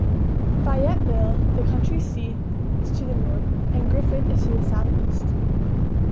Fayetteville, the county seat, is to the north, and Griffin is to the southeast.